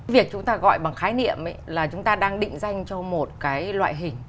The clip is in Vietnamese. việc chúng ta gọi bằng khái niệm là chúng ta đang định danh cho một cái loại hình